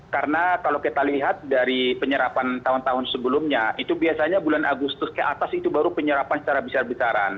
karena kalau kita lihat dari penyerapan tahun tahun sebelumnya itu biasanya bulan agustus ke atas itu baru penyerapan secara besar besaran